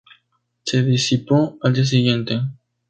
Se disipó al día siguiente.